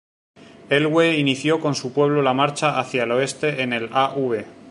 Elwë inició con su pueblo la marcha hacia el oeste en el a. v.